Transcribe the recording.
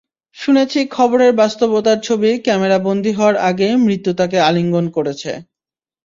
শুনেছি খবরের বাস্তবতার ছবি ক্যামেরা বন্দী হওয়ার আগেই মৃত্যু তাকে আলিঙ্গন করেছে।